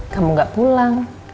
kamu tidak pulang